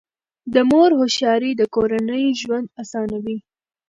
د مور هوښیاري د کورنۍ ژوند اسانوي.